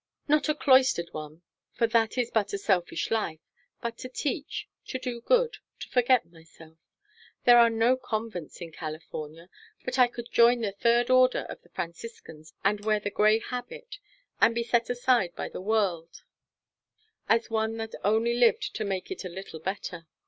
Not a cloistered one, for that is but a selfish life. But to teach, to do good, to forget myself. There are no convents in California, but I could join the Third Order of the Franciscans, and wear the gray habit, and be set aside by the world as one that only lived to make it a little better.